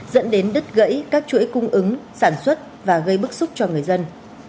dẫn đến đứt gãy các chuỗi cung ứng sản xuất và gây bức xúc cho người dân